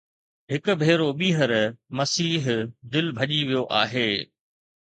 هڪ ڀيرو ٻيهر، مسيح دل ڀڄي ويو آهي